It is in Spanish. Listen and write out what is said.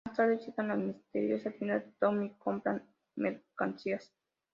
Más tarde visitan la misteriosa tienda de Tom y compran mercancías.